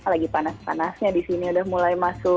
lagi panas panasnya di sini udah mulai masuk